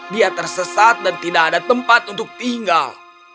dia tersesat dan tidak ada tempat untuk tinggal